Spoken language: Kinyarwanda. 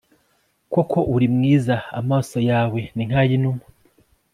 koko uri mwiza! amaso yawe ni nk'ay'inuma